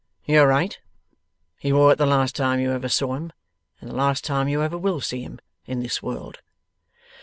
'You are right. He wore it the last time you ever saw him, and the last time you ever will see him in this world.